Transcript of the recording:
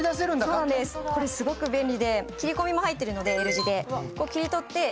これ、すごく便利で、Ｌ字で切り込みも入っているので。